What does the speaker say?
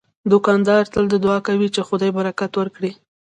دوکاندار تل دعا کوي چې خدای برکت ورکړي.